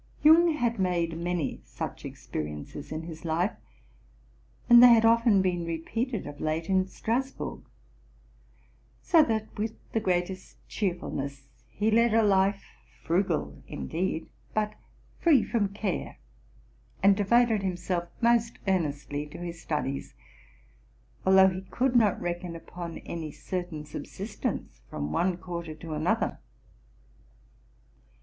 June had made many such experiences in his life, and they had often been repeated of late in Strasburg: so that, with the greatest cheerfulness, he led a life frugal indeed, but free from care, and devoted himself most earnestly to his studies ; although he could not reckon upon any certain subsistence from one quarter to another.